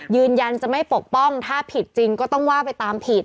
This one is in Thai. ยืนยันจะไม่ปกป้องถ้าผิดจริงก็ต้องว่าไปตามผิด